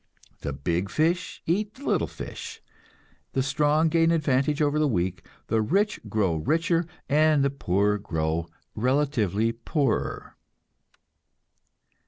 The big fish eat the little fish, the strong gain advantage over the weak, the rich grow richer, and the poor grow relatively poorer.